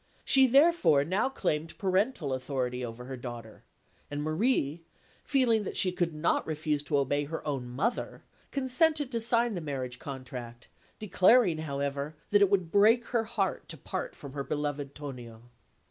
She therefore now claimed parental authority over her daughter; and Marie, feeling that she could not refuse to obey her own mother, consented to sign the marriage contract, declaring, however, that it would break her heart to part from her beloved Tonio.